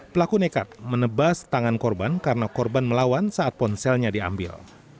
pelaku nekat menebas tangan korban karena korban melawan saat ponselnya diambil